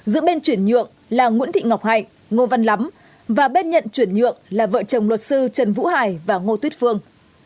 giữa bên chuyển nhượng là nguyễn thị ngọc hạnh ngô văn lắm và bên nhận chuyển nhượng là vợ chồng luật sư trần vũ hải và ngô tuyết phương